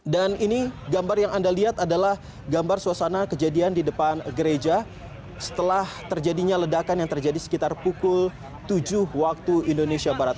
dan ini gambar yang anda lihat adalah gambar suasana kejadian di depan gereja setelah terjadinya ledakan yang terjadi sekitar pukul tujuh waktu indonesia barat